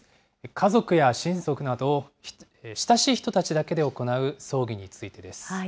家族や親族など親しい人たちだけで行う葬儀についてです。